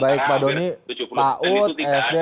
baik pak doni pak ut sd